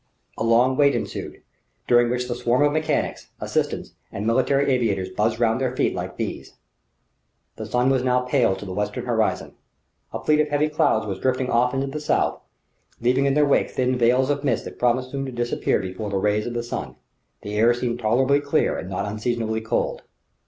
A long wait ensued, during which the swarm of mechanics, assistants and military aviators buzzed round their feet like bees. The sky was now pale to the western horizon. A fleet of heavy clouds was drifting off into the south, leaving in their wake thin veils of mist that promised soon to disappear before the rays of the sun. The air seemed tolerably clear and not unseasonably cold.